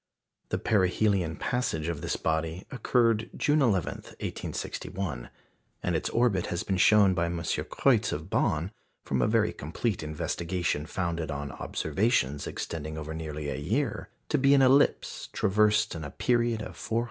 The perihelion passage of this body occurred June 11, 1861; and its orbit has been shown by M. Kreutz of Bonn, from a very complete investigation founded on observations extending over nearly a year, to be an ellipse traversed in a period of 409 years.